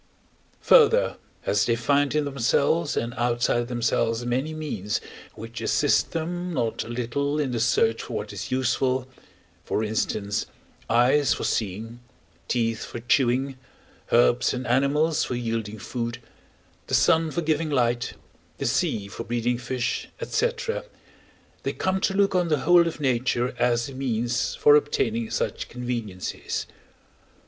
Further, as they find in themselves and outside themselves many means which assist them not a little in the search for what is useful, for instance, eyes for seeing, teeth for chewing, herbs and animals for yielding food, the sun for giving light, the sea for breeding fish, &c., they come to look on the whole of nature as a means for obtaining such conveniences.